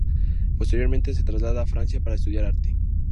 Posteriormente se traslada a Francia para estudiar Arte.